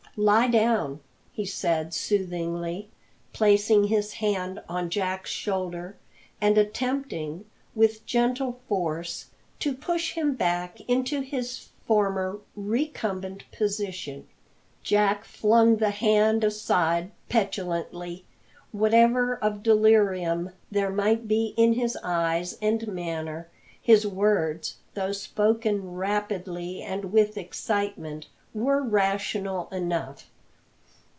"Lie down," he said soothingly, placing his hand on Jack's shoulder, and attempting, with gentle force, to push him back into his former recumbent position. Jack flung the hand aside petulantly. Whatever of delirium there might be in his eyes and manner, his words, though spoken rapidly and with excitement, were rational enough.